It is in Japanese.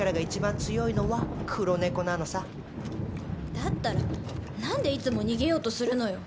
だったらなんでいつも逃げようとするのよ。